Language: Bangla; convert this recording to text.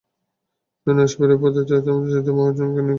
তাই নৈশপ্রহরী পদে আমার চাচাতো ভাই মাহফুজ্জামানকে নিয়োগ দেওয়ার দাবি জানাই।